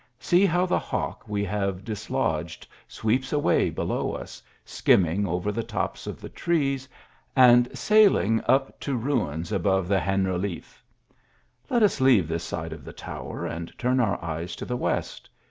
See how the hawk we have dislodged sweeps away below us, skimming over the tops of the trees, and sailing up to ruins above the Generaliffe. Let us leave this side of the tower and turn our eyes to the west.